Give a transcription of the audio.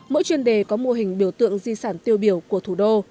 mỗi chuyên đề có mô hình biểu tượng di sản tiêu biểu của thủ đô